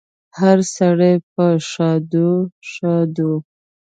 هره سړی په ښادو، ښادو